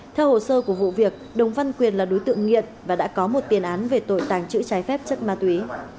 theo hồ sơ của vụ việc đồng văn quyền là đối tượng nghiện và đã có một tiền án về tội tàng trữ trái phép chất ma túy